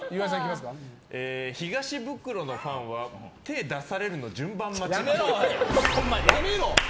東ブクロのファンは手出されるの順番待ちっぽい。